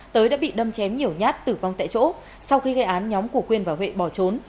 tới đã bị đâm chém nhiều nhát tử vong tại chỗ sau khi gây án nhóm của quyên và huệ bỏ trốn